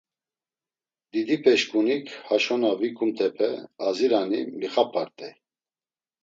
Didipeşǩunik haşo na vikumtupe azirani mixap̌art̆ey.